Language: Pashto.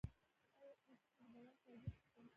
ایا پوټکی د بدن تودوخه کنټرولوي؟